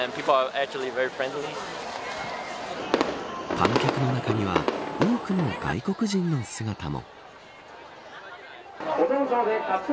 観客の中には多くの外国人の姿も。